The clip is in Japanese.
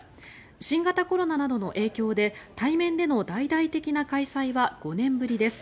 新型コロナなどの影響で対面での大々的な開催は５年ぶりです。